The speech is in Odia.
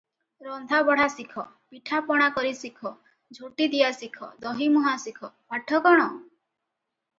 ରନ୍ଧା ବଢ଼ା ଶିଖ, ପିଠାପଣା କରି ଶିଖ, ଝୋଟିଦିଆ ଶିଖ, ଦହିମୁହାଁ ଶିଖ, ପାଠ କ’ଣ?”